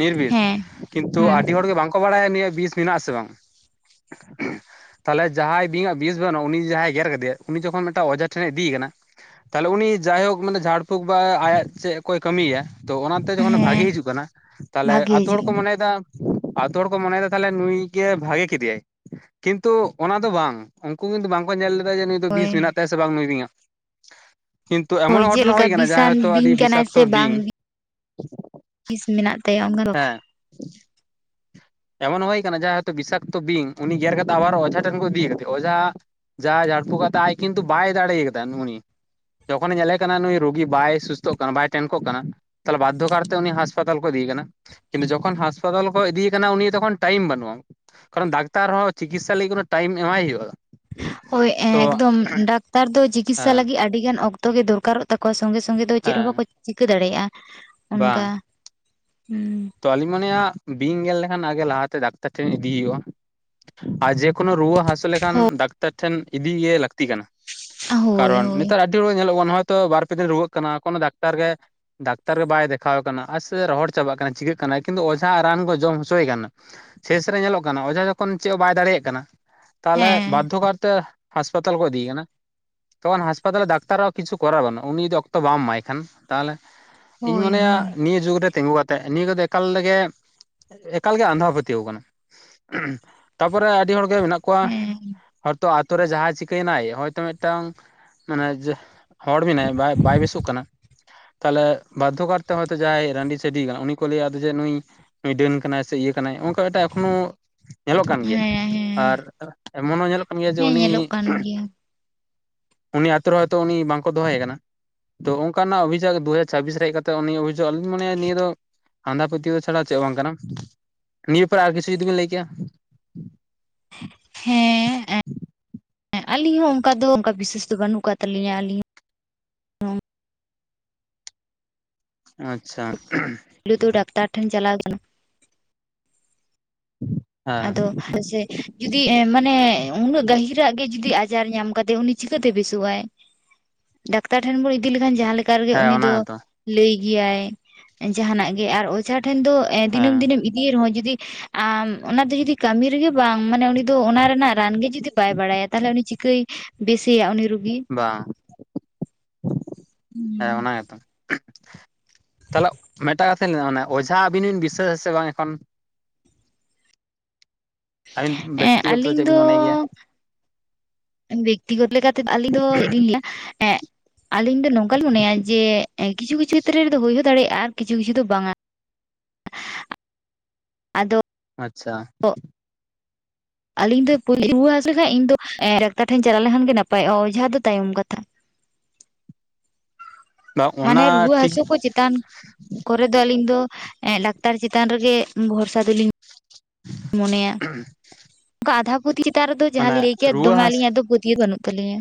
ᱱᱤᱨᱵᱤᱥ ᱦᱮᱸ ᱠᱤᱱᱛᱩ ᱦᱩᱸ ᱟᱰᱤ ᱦᱚᱲᱜᱮ ᱵᱟᱝᱠᱚ ᱵᱟᱲᱟᱭᱟ ᱩᱱᱤᱭᱟᱜ ᱵᱤᱥ ᱢᱮᱱᱟᱜ-ᱟ ᱥᱮ ᱵᱟᱝ ᱛᱟᱦᱚᱞᱮ ᱡᱟᱦᱟᱸᱭ ᱵᱤᱧᱟᱜ ᱵᱤᱥ ᱵᱟᱱᱩᱜᱼᱟ ᱩᱱᱤ ᱡᱩᱫᱤ ᱡᱟᱦᱟᱸᱭ ᱜᱮᱨ ᱠᱟᱫᱤ ᱭᱟ ᱩᱱᱤ ᱡᱚᱠᱷᱚᱱ ᱢᱤᱫᱴᱟᱝ ᱚᱡᱷᱟ ᱴᱷᱮᱱᱮ ᱤᱫᱤᱭᱮ ᱠᱟᱱᱟ ᱛᱟᱦᱚᱞᱮ ᱩᱱᱤ ᱡᱟᱭᱦᱳᱠ ᱢᱟᱱᱮ ᱡᱷᱟᱲ ᱯᱷᱩᱸᱠ ᱵᱟ ᱟᱭᱟᱜ ᱪᱮᱫ ᱠᱚᱭ ᱠᱟᱹᱢᱤᱭᱟ ᱛᱚ ᱚᱱᱟ ᱡᱚᱠᱷᱚᱱ ᱵᱷᱟᱜᱤ ᱦᱮᱸ ᱦᱤᱡᱩᱜ ᱠᱟᱱᱟ ᱛᱟᱦᱚᱞᱮ ᱵᱷᱟᱜᱮ ᱟᱛᱳ ᱦᱚᱲ ᱠᱚ ᱦᱤᱡᱩᱜᱼᱟ ᱢᱚᱱᱮᱭᱮᱫᱟ ᱟᱛᱳ ᱦᱚᱲ ᱠᱚ ᱢᱚᱱᱮᱭ ᱫᱟ ᱛᱟᱦᱞᱮ ᱱᱩᱭ ᱜᱮ ᱵᱷᱟᱜᱮ ᱠᱮᱫᱮᱭᱟᱭ᱾ ᱠᱤᱱᱛᱩ ᱚᱱᱟ ᱫᱚ ᱵᱟᱝ ᱩᱱᱠᱩ ᱠᱤᱱᱛᱩ ᱵᱟᱝᱠᱚ ᱧᱮᱞ ᱞᱮ ᱫᱟᱭ ᱡᱮ ᱱᱩᱭᱟᱜ ᱫᱚ ᱵᱤᱥ ᱦᱳᱭ ᱢᱮᱱᱟᱜᱼᱛᱟᱭᱟᱥᱮ ᱵᱟᱝ ᱱᱩᱭ ᱵᱤᱧᱟᱜ ᱾ ᱠᱤᱱᱛᱩ ᱮᱢᱚᱱ ᱦᱳᱭ ᱜᱷᱚᱴᱚᱱᱟ ᱦᱩᱭ ᱪᱮᱫᱞᱮᱠᱟ ᱠᱟᱱᱟ ᱡᱟᱦᱟᱸ ᱦᱚᱭᱛᱳ ᱵᱤᱥᱟᱱ ᱟᱹᱰᱤ ᱵᱤᱧ ᱠᱟᱱᱟᱭ ᱵᱤᱥᱟᱠᱛᱚ ᱥᱮ ᱵᱤᱧ ᱵᱟᱝ ᱵᱤᱥ ᱢᱮᱱᱟᱜ ᱛᱟᱭᱟ ᱚᱱᱠᱟ ᱫᱚ [unintelligible] ᱮᱢᱚᱱ ᱦᱩᱭ ᱠᱟᱱᱟ ᱡᱟᱦᱟᱸ ᱵᱤᱥᱟᱠᱛᱚ ᱵᱤᱧ ᱩᱱᱤ ᱜᱮᱨ ᱠᱟᱛᱮ ᱟᱵᱟᱨ ᱚᱡᱷᱟ ᱴᱷᱮᱱ ᱠᱚ ᱤᱫᱤᱭ ᱠᱟᱫᱮᱭᱟ ᱚᱡᱷᱟ ᱡᱟ ᱡᱷᱟᱲᱯᱷᱩ ᱠᱟᱛᱮᱜ ᱟᱡ ᱠᱤᱱᱛᱩ ᱵᱟᱭ ᱫᱟᱲᱮᱭ ᱠᱟᱫᱟ ᱩᱱᱤ ᱡᱚᱠᱷᱚᱱᱮ ᱧᱮᱞᱮ ᱠᱟᱱᱟ ᱱᱩᱭ ᱨᱩᱜᱤ ᱵᱟᱭ ᱥᱩᱥᱛᱷᱚᱜ ᱠᱟᱱᱟ ᱵᱟᱭ ᱛᱮᱱᱠᱚᱜ ᱠᱟᱱᱟ ᱛᱟᱦᱚᱞᱮ ᱵᱟᱫᱽᱫᱷᱚ ᱠᱟᱨᱛᱮ ᱩᱱᱤ ᱦᱟᱥᱯᱟᱛᱟᱞ ᱠᱚ ᱤᱫᱤᱭᱮ ᱠᱟᱱᱟ᱾ ᱠᱤᱱᱛᱩ ᱡᱚᱠᱷᱚᱱ ᱦᱟᱸᱥᱯᱟᱛᱟᱞ ᱠᱚ ᱤᱫᱤᱭᱮ ᱠᱟᱱᱟ ᱩᱱᱤᱭᱟᱜ ᱛᱚᱠᱷᱚᱱ ᱴᱟᱭᱤᱢ ᱵᱟᱱᱩᱜᱼᱟ᱾ ᱠᱟᱨᱚᱱ ᱰᱟᱠᱛᱟᱨ ᱦᱚᱸ ᱪᱤᱠᱤᱥᱟ ᱞᱟᱹᱜᱤᱫ ᱴᱟᱭᱤᱢ ᱮᱢᱟᱭ ᱦᱩᱭᱩᱜᱼᱟ᱾ ᱦᱳᱭ ᱛᱚ ᱮᱠᱫᱚᱢ ᱰᱟᱠᱛᱟᱨ ᱫᱚ ᱪᱤᱠᱤᱥᱟ ᱦᱮᱸ ᱞᱟᱹᱜᱤᱫ ᱟᱰᱤ ᱜᱟᱱ ᱚᱠᱛᱚ ᱜᱮ ᱫᱚᱨᱠᱟᱨᱚᱜ ᱛᱟᱠᱚᱣᱟ ᱥᱚᱝᱜᱮ ᱥᱚᱝᱜᱮ ᱫᱚ ᱪᱮᱫ ᱦᱚᱸ ᱦᱮᱸ ᱵᱟᱠᱚ ᱪᱤᱠᱟᱹ ᱫᱟᱲᱮᱭᱟᱜᱼᱟ ᱵᱟᱝ ᱚᱱᱠᱟ, ᱦᱩᱸ ᱛᱚ ᱟᱞᱤᱧ ᱢᱚᱱᱮᱭᱟ ᱵᱤᱧ ᱜᱮᱞ ᱞᱮᱠᱷᱟᱱ ᱟᱜᱮ ᱞᱟᱦᱟᱛᱮ ᱰᱟᱠᱛᱟᱨ ᱴᱷᱮᱱ ᱤᱫᱤ ᱦᱩᱭᱩᱜᱼᱟ ᱟᱨ ᱡᱮ ᱠᱳᱱᱳ ᱨᱩᱣᱟᱹ ᱦᱟᱹᱥᱩ ᱞᱮᱠᱷᱟᱱ ᱰᱟᱠᱛᱟᱨ ᱴᱷᱮᱱ ᱤᱫᱤᱜᱮ ᱞᱟᱹᱠᱛᱤ ᱠᱟᱱᱟ ᱦᱳᱭ ᱠᱟᱨᱚᱱ ᱦᱳᱭ ᱱᱮᱛᱟᱨ ᱟᱹᱰᱤ [inaudible] ᱧᱮᱞᱚᱜ ᱠᱟᱱᱟ ᱦᱚᱭᱛᱚ ᱵᱟᱨ ᱯᱮ ᱫᱤᱱ ᱨᱩᱣᱟᱹᱜ ᱠᱟᱱᱟ ᱠᱳᱱᱳ ᱰᱟᱠᱛᱟᱨ ᱜᱮ ᱰᱟᱠᱛᱟᱨ ᱜᱮ ᱵᱟᱭ ᱫᱮᱠᱷᱟᱣ ᱠᱟᱱᱟ ᱟᱨ ᱥᱮ ᱨᱚᱦᱚᱲ ᱪᱟᱵᱟᱜ ᱠᱟᱱᱟ ᱪᱤᱠᱟᱹᱜ ᱠᱟᱱᱟᱭ ᱠᱤᱱᱛᱩ ᱚᱡᱷᱟ ᱨᱟᱱ ᱠᱚ ᱡᱚᱢ ᱦᱚᱪᱚᱭᱮ ᱠᱟᱱᱟ᱾ ᱥᱮᱥᱨᱮ ᱧᱮᱞᱚᱜ ᱠᱟᱱᱟ ᱚᱡᱷᱟ ᱡᱚᱠᱷᱚᱱ ᱪᱮᱫ ᱦᱚᱸ ᱵᱟᱭ ᱫᱟᱲᱮᱭᱟᱜ ᱠᱟᱱᱟ ᱛᱟᱦᱚᱞᱮ ᱦᱮᱸ ᱵᱟᱫᱽᱫᱷᱚ ᱠᱟᱨᱛᱮ ᱦᱟᱸᱥᱯᱟᱛᱟᱞ ᱠᱚ ᱤᱫᱤᱭᱮ ᱠᱟᱱᱟ ᱛᱚᱠᱷᱚᱱ ᱦᱟᱸᱥᱯᱟᱞ ᱰᱟᱠᱛᱟᱨᱟᱜ ᱦᱚᱸ ᱠᱤᱪᱷᱩ ᱠᱚᱨᱟᱣ ᱵᱟᱱᱩᱜ-ᱟ ᱩᱱᱤ ᱡᱩᱫᱤ ᱚᱠᱛᱚ ᱵᱟᱢ ᱮᱢᱟᱭ ᱠᱷᱟᱱ ᱛᱟᱦᱚᱞᱮ ᱤᱧ ᱦᱳᱭ ᱢᱚᱱᱮᱭᱟ ᱦᱳᱭ ᱱᱤᱭᱟᱹ ᱡᱩᱜᱽ ᱨᱮ ᱛᱤᱸᱜᱩ ᱠᱟ ᱱᱤᱭᱟᱹ ᱠᱚᱫᱚ ᱮᱠᱟᱞᱜᱮ ᱮᱠᱟᱞᱜᱮ ᱟᱸᱫᱷᱟ ᱯᱟᱹᱛᱭᱟᱹᱣ ᱠᱟᱱᱟ᱾ ᱛᱟᱯᱚᱨᱮ ᱟᱹᱰᱤ ᱦᱚᱲ ᱜᱮ ᱢᱮᱱᱟᱜ ᱠᱚᱣᱟ ᱦᱮᱸ ᱦᱚᱭᱛᱚ ᱟᱛᱚ ᱨᱮ ᱡᱟᱦᱟᱸᱭ ᱪᱤᱠᱟᱹᱭᱮᱱᱟᱭ ᱦᱚᱭᱛᱚ ᱢᱤᱫᱴᱟᱝ ᱢᱟᱱᱮ ᱡᱟ ᱦᱚᱲ ᱢᱮᱱᱟᱭᱟ ᱵᱟᱭ ᱵᱟᱭ ᱵᱮᱥᱳᱜ ᱠᱟᱱᱟ ᱛᱟᱦᱟᱞᱮ ᱵᱟᱫᱽᱫᱷᱳ ᱠᱟᱨᱛᱮ ᱦᱚᱭᱛᱚ ᱡᱟᱦᱟᱸᱭ ᱨᱟᱺᱰᱤ ᱪᱷᱟᱹᱰᱣᱤ ᱠᱟᱱᱟ ᱩᱱᱤ ᱠᱚ ᱞᱟᱹᱭᱟ ᱟᱫᱚ ᱡᱮ ᱱᱩᱭ ᱱᱩᱭ ᱰᱟᱹᱱ ᱠᱟᱱᱟᱭ ᱥᱮ ᱤᱭᱟᱹ ᱠᱟᱱᱟᱭ ᱦᱚᱜᱚᱝᱠᱟ ᱢᱮᱫᱴᱟᱝ ᱮᱠᱷᱚᱱᱳ ᱧᱮᱞᱚᱜ ᱠᱟᱱ ᱜᱮᱭᱟ ᱦᱮᱸ ᱦᱮᱸ ᱟᱨ ᱮᱢᱚᱱ ᱦᱚᱸ ᱧᱮᱞᱚᱜ ᱠᱟᱱ ᱜᱮᱭᱟ ᱡᱮ ᱦᱮᱸ ᱩᱱᱤ ᱧᱮᱞᱚᱜ ᱠᱟᱱ ᱜᱮᱭᱟ ᱩᱱᱤ ᱟᱛᱳ ᱨᱮ ᱦᱚᱭᱛᱚ ᱩᱱᱤ ᱵᱟᱝᱠᱚ ᱫᱚᱦᱚᱭᱮ ᱠᱟᱱᱟ᱾ ᱛᱚ ᱚᱱᱠᱟᱱᱟᱜ ᱚᱵᱷᱤ ᱡᱟᱠᱽ ᱫᱩ ᱦᱟᱡᱟᱨ ᱪᱷᱟᱵᱤᱥ ᱨᱮ ᱦᱮᱡ ᱠᱟᱛᱮ ᱩᱱᱤ ᱚᱵᱷᱤᱡᱳᱜ ᱟᱞᱤᱧ ᱞᱤᱧ ᱢᱚᱱᱮᱭᱟ ᱱᱤᱭᱟᱹ ᱫᱚ ᱟᱸᱫᱷᱟ ᱯᱟᱹᱛᱭᱟᱹᱣ ᱪᱷᱟᱲᱟ ᱪᱮᱫ ᱦᱚᱸ ᱵᱟᱝ ᱠᱟᱱᱟ, ᱱᱤᱭᱟᱹ ᱯᱚᱨ ᱟᱨ ᱠᱤᱪᱷᱩ ᱡᱩᱫᱤ ᱵᱤᱱ ᱞᱟᱹᱭ ᱠᱮᱭᱟ ᱦᱮᱸ ᱮᱸ ᱟᱹᱞᱤᱧ ᱦᱚᱸ ᱚᱝᱠᱟ ᱫᱚ ᱚᱝᱠᱟ ᱵᱤᱥᱥᱟᱹᱥ ᱫᱚ ᱵᱟᱹᱱᱩᱜ ᱠᱟᱫ ᱛᱟᱹᱞᱤᱧᱟ ᱟᱹᱞᱤᱧ ᱦᱚᱸ ᱟᱪᱪᱷᱟ [unintelligible] ᱰᱟᱠᱛᱟᱨ ᱴᱷᱮᱱ ᱪᱟᱞᱟᱣ [unintelligible] ᱟᱫᱚ ᱦᱮᱸ [unintelligible] ᱡᱩᱫᱤ ᱮᱸ ᱢᱟᱱᱮ ᱩᱱᱟᱹᱜ ᱜᱟᱹᱦᱤᱨᱟᱜ ᱜᱮ ᱡᱩᱫᱤ ᱟᱡᱟᱨ ᱧᱟᱢ ᱠᱟᱫᱮ ᱩᱱᱤ ᱪᱤᱠᱟᱹᱛᱮ ᱵᱮᱥᱳᱜᱟᱭ? ᱰᱟᱠᱛᱟᱨ ᱴᱷᱮᱱ ᱵᱚᱱ ᱤᱫᱤ ᱞᱮᱠᱷᱟᱱ ᱡᱟᱦᱟᱸ ᱞᱮᱠ ᱠᱟᱨ ᱜᱮ ᱦᱮᱸ ᱩᱱᱤ ᱚᱱᱟ ᱫᱚ ᱜᱮᱛᱚ ᱞᱟᱹᱭ ᱜᱮᱭᱟᱭ ᱡᱟᱦᱟᱱᱟᱜ ᱜᱮ ᱟᱨ ᱚᱡᱷᱟ ᱴᱷᱮᱱ ᱫᱚ ᱮᱸ ᱦᱮᱸ ᱫᱤᱱᱟᱹᱢ ᱫᱤᱱᱮᱢ ᱤᱫᱤᱭᱮ ᱨᱮᱦᱚᱸ ᱡᱩᱫᱤ ᱟᱢ ᱚᱱᱟ ᱫᱚ ᱡᱩᱫᱤ ᱠᱟᱹᱢᱤ ᱨᱮᱜᱮ ᱵᱟᱝ ᱢᱟᱱᱮ ᱩᱱᱤ ᱫᱚ ᱚᱱᱟ ᱨᱮᱱᱟᱜ ᱨᱟᱱ ᱜᱮ ᱡᱩᱫᱤ ᱵᱟᱭ ᱵᱟᱲᱟᱭᱟ ᱛᱟᱦᱟᱞᱮ ᱩᱱᱤ ᱪᱤᱠᱟᱹᱭ ᱵᱮᱥᱮᱭ-ᱟ ᱩᱱᱤ ᱨᱩᱜᱤ᱾ ᱵᱟᱝ ᱦᱮᱸ ᱚᱱᱟ ᱜᱮᱛᱚ᱾ ᱛᱟᱞᱦᱮ ᱢᱮᱫᱴᱟᱝ ᱠᱟᱛᱷᱟᱧ [unintelligible] ᱚᱡᱷᱟ ᱟᱹᱵᱤᱱ ᱵᱤᱱ ᱵᱤᱥᱥᱟᱹᱥ ᱟᱥᱮ ᱵᱟᱝ ᱮᱠᱷᱚᱱ? ᱟᱹᱵᱤᱱ ᱦᱮᱸ ᱵᱮᱠᱛᱤᱜᱚᱛᱚ ᱟᱹᱞᱤᱧ ᱪᱮᱫ ᱵᱤᱱ ᱫᱚ ᱢᱚᱱᱮ ᱜᱮᱭᱟ? ᱵᱮᱠᱛᱤᱜᱚᱛ [unintelligible] ᱞᱟᱹᱭᱟ ᱮᱸ ᱟᱹᱞᱤᱧ ᱫᱚ ᱱᱚᱝᱠᱟᱞᱤᱧ ᱢᱚᱱᱮᱭ-ᱟ ᱡᱮ ᱮᱸ ᱠᱤᱪᱷᱩ ᱠᱤᱪᱷᱩ ᱠᱷᱮᱛᱨᱮ ᱨᱮᱫᱚ ᱦᱩᱭ ᱦᱚᱸ ᱫᱟᱲᱮᱭᱟᱜ-ᱟ ᱟᱨ ᱠᱤᱪᱷᱩ ᱠᱤᱪᱷᱩ ᱫᱚ ᱵᱟᱝᱟ᱾ ᱟᱫᱚ ᱟᱪᱪᱷᱟ ᱟᱞᱤᱧ ᱫᱚ ᱨᱩᱣᱟᱹ ᱦᱟᱹᱥᱩ [unintelligible] ᱤᱧ ᱫᱚ ᱮᱸ ᱰᱟᱠᱛᱟᱨ ᱴᱷᱮᱱ ᱪᱟᱞᱟᱣ ᱞᱮᱱᱠᱷᱟᱱ ᱜᱮ ᱱᱟᱯᱟᱭᱚᱜ-ᱟ, ᱚᱡᱷᱟ ᱫᱚ ᱛᱟᱭᱚᱢ ᱠᱟᱛᱷᱟ᱾ ᱵᱟᱝ ᱢᱟᱱᱮ ᱚᱱᱟ ᱨᱩᱶᱟᱹ ᱴᱷᱤᱠ ᱦᱟᱹᱥᱩ ᱠᱚ ᱪᱮ ᱛᱟᱱ ᱠᱚᱨᱮ ᱫᱚ ᱟᱹᱞᱤᱧ ᱫᱚ ᱮᱸ ᱰᱟᱠᱛᱟᱨ ᱪᱮᱛᱟᱱ ᱨᱮᱜᱮ ᱵᱷᱚᱨᱥᱟ ᱫᱚᱞᱤᱧ [inaudible] ᱚᱠᱟ ᱟᱫᱷᱟ ᱯᱟᱹᱛᱭ ᱪᱮᱛᱟᱱ ᱨᱮᱫᱚ ᱡᱟᱦᱟᱸ ᱢᱟᱱᱮ ᱞᱤᱧ ᱞᱟᱹᱭ ᱠᱮᱫ ᱨᱩᱣᱟᱹ ᱫᱚᱢᱮ ᱦᱟᱥ ᱟᱹᱞᱤᱧᱟᱜ ᱫᱚ ᱯᱟᱹᱛᱭᱟᱹᱣ ᱫᱚ ᱵᱟᱹᱱᱩᱜ ᱛᱟᱹᱤᱧ-ᱟ᱾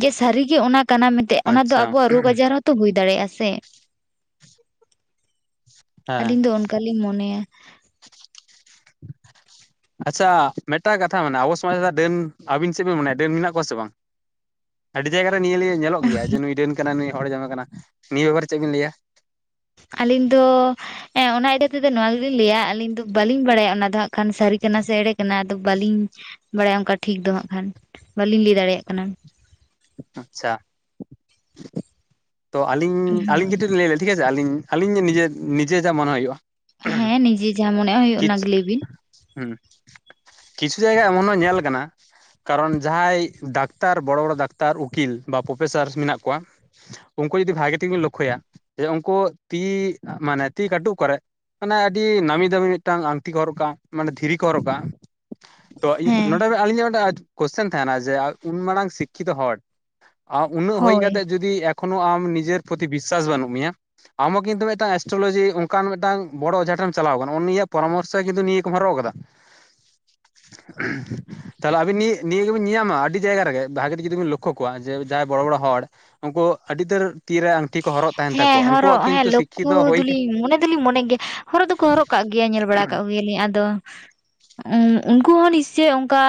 ᱜᱮ ᱥᱟᱹᱨᱤᱜᱮ ᱚᱱᱟ ᱠᱟᱱᱟ ᱢᱮᱱᱛᱮ ᱚᱱᱟ ᱫᱚ ᱟᱪᱪᱷᱟ ᱟᱵᱚᱣᱟᱜ ᱨᱳᱜᱽ ᱟᱡᱟᱨ ᱦᱚᱸ ᱛᱚ ᱦᱩᱭ ᱫᱟᱲᱮᱭᱟᱜ-ᱟ ᱥᱮ, ᱦᱮᱸ ᱟᱹᱞᱤᱧ ᱫᱚ ᱠᱟ ᱞᱤᱞ ᱢᱚᱱᱮᱭᱟ᱾ [inaudible] ᱟᱪᱪᱷᱟ ᱢᱮᱫᱴᱟᱝ ᱠᱟᱛᱷᱟ ᱢᱮᱱᱟᱜᱟ ᱟᱵᱚ ᱥᱚᱢᱟᱡᱽ ᱨᱮ ᱰᱟᱹᱱ ᱟᱹᱵᱤᱱ ᱪᱮᱫ ᱵᱤᱱ ᱢᱚᱱᱮᱭᱟ ᱰᱟᱹᱱ ᱢᱮᱱᱟᱜ ᱠᱚᱣᱟ ᱥᱮ ᱵᱟᱝ? ᱟᱹᱰᱤ ᱡᱟᱭᱜᱟ ᱨᱮ ᱱᱤᱭᱟᱹ ᱞᱤᱭᱟᱹ ᱧᱮᱞᱚᱜ ᱜᱮᱭᱟ ᱡᱮ ᱱᱩᱭ ᱰᱟᱹᱱ ᱠᱟᱱᱟ ᱱᱩᱭ ᱦᱚᱲ ᱡᱚᱢᱮ ᱠᱟᱱᱟ ᱱᱤᱭᱟᱹ ᱵᱮᱯᱟᱨᱮ ᱪᱮᱫ ᱵᱤᱱ ᱞᱟᱹᱭᱟ? ᱟᱹᱞᱤᱧ ᱫᱚ ᱦᱮᱸ ᱚᱱᱟ [unintelligible] ᱛᱮᱫᱚ ᱱᱚᱣᱟ ᱜᱮᱞᱤᱧ ᱞᱟᱹᱭᱟ ᱟᱹᱞᱤᱧ ᱫᱚ ᱵᱟᱞᱤᱧ ᱵᱟᱲᱟᱭᱟ ᱚᱱᱟ ᱫᱚ ᱦᱟᱸᱜ ᱠᱷᱟᱱ ᱥᱟᱹᱨᱤ ᱠᱟᱱᱟ ᱥᱮ ᱮᱲᱮ ᱠᱟᱱᱟ ᱚᱱᱟᱫᱚ ᱵᱟᱹᱞᱤᱧ ᱵᱟᱲᱟᱭᱟ ᱚᱝᱠᱟ ᱴᱷᱤᱠ ᱫᱚ ᱦᱟᱸᱜ ᱠᱷᱟᱱ ᱵᱟᱹᱞᱤᱧ ᱞᱟᱹᱭ ᱫᱟᱲᱮᱭᱟᱜ ᱠᱟᱱᱟ᱾ ᱟᱪᱪᱷᱟ ᱛᱚ ᱟᱹᱞᱤᱧ ᱟᱹᱞᱤᱧ ᱦᱳᱭ ᱠᱟᱹᱴᱤᱡ ᱞᱤᱧ ᱞᱟᱹᱭ ᱞᱮ ᱴᱷᱤᱠ ᱟᱪᱷᱮ ᱟᱹᱞᱤᱧ ᱟᱹᱞᱤᱧ ᱱᱤᱡᱮ ᱱᱤᱡᱮ ᱡᱟ ᱢᱚᱱᱮ ᱦᱩᱭᱩᱜ-ᱟ᱾ ᱦᱮᱸ ᱱᱤᱡᱮ ᱡᱟᱦᱟᱸ ᱢᱚᱱᱮ ᱦᱩᱭᱩᱜ ᱚᱱᱟ ᱜᱮ ᱞᱟᱹᱭ ᱵᱤᱱ᱾ ᱦᱩᱸ ᱠᱤᱪᱷᱩ ᱡᱟᱭᱜᱟ ᱮᱢᱚᱱ ᱦᱚᱸ ᱧᱮᱞ ᱠᱟᱱᱟ ᱠᱟᱨᱚᱱ ᱡᱟᱦᱟᱸᱭ ᱰᱟᱠᱛᱟᱨ ᱵᱚᱲᱚ ᱵᱚᱲᱚ ᱰᱟᱠ ᱛᱟᱨ ᱩᱠᱤᱞ ᱵᱟ ᱯᱚᱯᱮᱥᱟᱨ ᱢᱮᱱᱟᱜ ᱠᱚᱣᱟ ᱩᱝᱠᱩ ᱡᱩᱫᱤ ᱵᱷᱟᱜᱮ ᱴᱷᱤᱠ ᱵᱤᱱ ᱞᱳᱠᱠᱷᱳᱭᱟ ᱡᱮ ᱩᱝᱠᱩ ᱛᱤ ᱢᱟᱱᱮ ᱛᱤ ᱠᱟᱹᱴᱩᱵ ᱠᱚᱨᱮ ᱢᱟᱱᱮ ᱟᱹᱰᱤ ᱱᱟᱹᱢᱤ ᱫᱟᱹᱢᱤ ᱢᱤᱫᱴᱟᱝ ᱟᱝᱴᱷᱤ ᱠᱚ ᱦᱚᱨᱚᱜ ᱠᱟᱜᱟ, ᱢᱟᱱᱮ ᱫᱷᱤᱨᱤ ᱠᱚ ᱦᱚᱨᱚᱜ ᱠᱟᱜᱟ᱾ ᱛᱚ ᱦᱮᱸ᱾ ᱱᱚᱰᱮ ᱟᱹᱞᱤᱧᱟᱜ ᱢᱤᱫᱴᱮᱱ ᱠᱚᱥᱪᱮᱱ ᱛᱟᱦᱮᱱᱟ ᱡᱮ ᱩᱱ ᱢᱟᱨᱟᱝ ᱥᱤᱠᱼᱼ ᱥᱤᱠᱠᱷᱤᱛᱚ ᱦᱚᱲ ᱩᱱᱟᱹᱜ ᱦᱩᱭ ᱦᱳᱭ ᱠᱟᱛᱮᱫ ᱡᱩᱫᱤ ᱮᱠᱷᱚᱱᱳ ᱟᱢ ᱱᱤᱡᱮᱨ ᱯᱚᱛᱤ ᱵᱤᱥᱟᱥ ᱵᱟᱹᱱᱩᱜ ᱢᱮᱭᱟ᱾ ᱟᱢ ᱦᱚᱸ ᱠᱤᱱᱛᱩ ᱢᱤᱫᱴᱟᱝ ᱮᱥᱴᱨᱳ ᱞᱚᱡᱤ ᱚᱱᱠᱟᱱ ᱢᱤᱫᱴᱟᱝ ᱵᱚᱲᱚ ᱚᱡᱷᱟ ᱴᱷᱮᱱ ᱮᱢ ᱪᱟᱞᱟᱣ ᱟᱠᱟᱱᱟ ᱩᱱᱤᱭᱟᱜ ᱯᱚᱨᱟᱢᱚᱨᱥᱚ ᱠᱤᱱᱛᱩ ᱱᱤᱭᱟᱹ ᱠᱚᱢ ᱦᱟᱨᱚᱜ ᱟᱠᱟᱫᱟ, ᱛᱟᱦᱚᱞᱮ ᱟᱵᱤᱱ ᱱᱤᱭᱟᱹ ᱱᱤᱭᱟᱹ ᱜᱮᱵᱤᱱ ᱧᱟᱞᱧᱟᱢᱟ ᱟᱹᱰᱤ ᱡᱟᱭᱜᱟ ᱨᱮᱜᱮᱼᱼ ᱵᱷᱟᱜᱤ ᱛᱮ ᱡᱩᱫᱤᱵᱮᱱ ᱞᱚᱠᱠᱷᱚ ᱠᱚᱣᱟ ᱡᱮ ᱡᱟᱦᱟᱸᱭ ᱵᱚᱲᱚ ᱵᱚᱲᱚ ᱦᱚᱲ ᱩᱱᱠᱩ ᱟᱹᱰᱤ ᱩᱛᱟᱹᱨᱼᱼ ᱛᱤ ᱨᱮ ᱟᱝᱴᱷᱤ ᱠᱚ ᱦᱚᱼᱼ ᱦᱮᱸ ᱦᱚᱨᱚᱜ ᱦᱮᱸ ᱞᱚᱠᱠᱷᱚ ᱫᱚᱞᱤᱧ ᱢᱚᱱᱮ ᱫᱚᱞᱤᱧ ᱢᱚᱱᱮ ᱜᱮᱭᱟ ᱦᱚᱨᱚᱜ ᱫᱚᱠᱚ ᱦᱚᱨᱚᱜᱼᱼ ᱠᱟᱜ ᱜᱮᱭᱟ ᱧᱮᱞ ᱵᱟᱲᱟ ᱠᱟᱜ ᱜᱮᱭᱟᱞᱤᱧ ᱟᱫᱚ ᱩᱱᱠᱩ ᱦᱚᱸ ᱱᱤᱥᱪᱳᱭ ᱚᱱᱠᱟ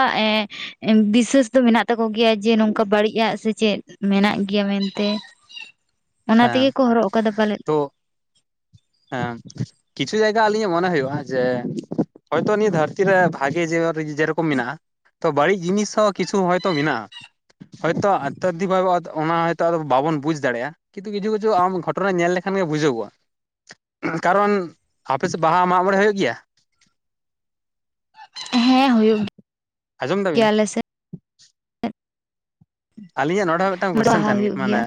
ᱮᱸᱻ ᱵᱤᱥᱟᱹᱥ ᱫᱚ ᱢᱮᱱᱟᱜ ᱛᱟᱠᱚ ᱜᱮᱭᱟ ᱡᱮ ᱱᱚᱝᱠᱟ ᱵᱟᱹᱲᱤᱡᱟᱜ ᱥᱮ ᱪᱮᱫ ᱢᱮᱱᱟᱜ ᱜᱮᱭᱟ ᱢᱮᱱᱛᱮ᱾ ᱚᱱᱟ ᱛᱮᱜᱮ ᱦᱮᱸ ᱠᱚ ᱦᱚᱨᱚᱜ ᱟᱠᱟᱫᱟ ᱯᱟᱞᱮᱫᱼᱼ ᱛᱚ ᱦᱮᱸ ᱠᱤᱪᱷᱩ ᱡᱟᱭᱜᱟ ᱟᱹᱞᱤᱧᱟᱜ ᱢᱚᱱᱮ ᱦᱩᱭᱩᱜᱼᱟ ᱡᱮ ᱦᱚᱭᱛᱚ ᱱᱤᱭᱟᱹ ᱫᱷᱟᱹᱨᱛᱤᱼᱼ ᱵᱦᱤᱛᱤᱨ ᱨᱮ ᱵᱷᱟᱜᱮ ᱡᱮ ᱡᱮᱨᱚᱠᱚᱢ ᱢᱮᱱᱟᱜᱼᱟ ᱛᱚ ᱵᱟᱹᱲᱤᱡ ᱡᱤᱱᱤᱥ ᱦᱚᱸ ᱠᱤᱪᱷᱩ ᱦᱚᱭᱛᱚ ᱢᱮᱱᱟᱜᱼᱟ᱾ ᱦᱚᱭᱛᱚ ᱟᱛᱟᱫᱷᱤᱠ ᱵᱟᱵᱚᱫ ᱚᱱᱟ ᱦᱚᱭᱛ ᱵᱟᱵᱚᱱ ᱵᱩᱡᱽ ᱫᱟᱲᱮᱭᱟᱜᱼᱟ᱾ ᱠᱤᱱᱛᱩ ᱠᱤᱪᱷᱩ ᱠᱤᱪᱷᱩ ᱟᱢᱚ ᱜᱷᱚᱴᱱᱟ ᱧᱮᱞ ᱞᱮᱠᱷᱟᱱ ᱜᱮ ᱵᱩᱡᱚᱜᱼᱟ᱾ ᱠᱟᱨᱚᱱ ᱟᱯᱮ ᱥᱮᱫ ᱵᱟᱦᱟ ᱢᱟᱜ ᱢᱚᱬᱮᱸ ᱦᱩᱭᱩᱜ ᱜᱮᱭᱟ? ᱦᱮᱸ ᱦᱩᱭᱩᱜ ᱟᱸᱡᱚᱢ ᱜᱮᱭᱟ ᱫᱟᱵᱤᱱ? ᱟᱞᱮ ᱟᱹᱞᱤᱧᱟᱜ ᱱᱚᱰᱮ ᱦᱚᱸ ᱢᱤᱫᱴᱟᱱ ᱥᱮᱫ ᱠᱚᱥᱪᱮᱱ ᱵᱟᱦᱟ ᱛᱟᱦᱮᱱ ᱜᱮ ᱦᱩᱭᱩᱜ ᱢᱟᱱᱮᱼᱼ ᱜᱮᱭᱟ